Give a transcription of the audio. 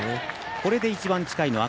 これで一番近いのは赤。